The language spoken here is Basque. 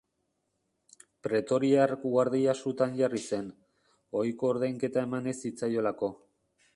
Pretoriar Guardia sutan jarri zen, ohiko ordainketa eman ez zitzaiolako.